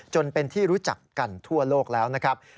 จนเป็นที่รู้จักกันทั่วโลกแล้วนะครับ